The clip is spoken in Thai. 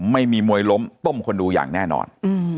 ไม่มีมวยล้มต้มคนดูอย่างแน่นอน